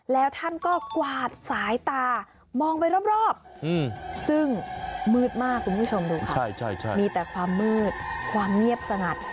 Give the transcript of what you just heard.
แล้วท่านก็กวาดสายตามองไปรอบซึ่งมืดมากคุณผู้ชมดูค่ะมีแต่ความมืดความเงียบสงัด